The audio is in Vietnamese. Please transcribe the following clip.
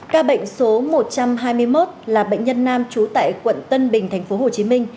ca bệnh số một trăm hai mươi một là bệnh nhân nam trú tại quận tân bình tp hcm